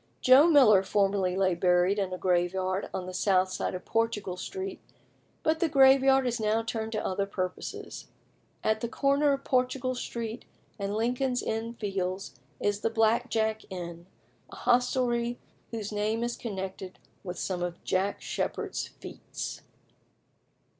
Joe Miller formerly lay buried in a graveyard on the south side of Portugal Street, but the graveyard is now turned to other purposes. At the corner of Portugal Street and Lincoln's Inn Fields is the "Black Jack" Inn, a hostelry whose name is connected with some of Jack Sheppard's feats.